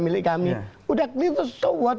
milik kami udah itu so what